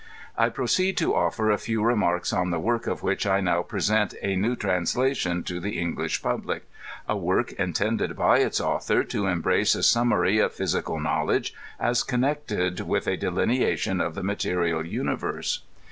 I proceed to ofier a few remarks on the work of which I now present d new translation to the English pubhc, a work intended by its author " to embrace a summary of physical knowledge, as connected with a delineation of the material imiverse."